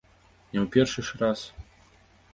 Не ў першы ж раз!